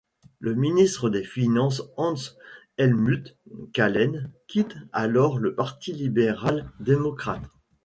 Le ministre des Finances Hans-Hellmuth Qualen quitte alors le Parti libéral-démocrate.